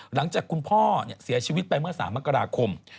หลังจากคุณพ่อเสียชีวิตไปเมื่อ๓มกราคม